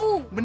udah siap jen